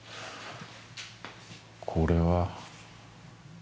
これは。